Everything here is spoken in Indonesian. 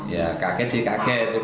ya kaget sih kaget